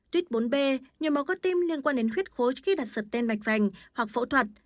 tuyết bốn b nhồi máu cơ tim liên quan đến khuyết khối khi đặt sợt tên mạch vành hoặc phẫu thuật